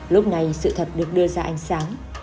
lúc này sự thật được đưa ra ánh sáng